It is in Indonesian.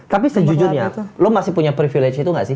tapi sejujurnya lo masih punya privilege itu gak sih